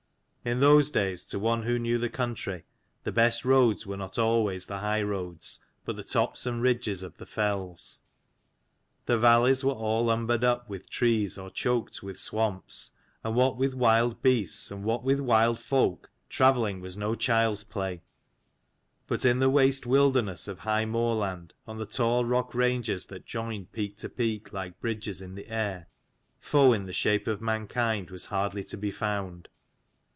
In those days, to one who knew the country, the best roads were not always the high roads, but the tops and ridges of the fells. The valleys were all umbered up with trees, or choked with swamps ; and what with wild beasts and what with wild folk, travelling was no child's play. But in the waste wildernesses of high moorland, on the tall rock ranges that joined peak to peak like bridges in the air, foe in shape of mankind was hardly to be found.